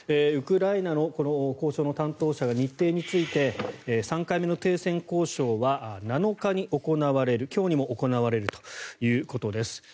ウクライナの交渉の担当者が日程について３回目の停戦交渉は７日に行われる今日にも行われるということです。